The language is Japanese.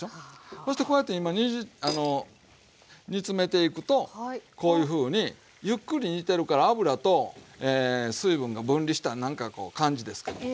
そしてこうやって今煮詰めていくとこういうふうにゆっくり煮てるから油と水分が分離したなんかこう感じですけども。